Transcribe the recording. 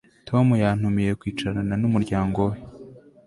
Tom yantumiye kwicarana numuryango we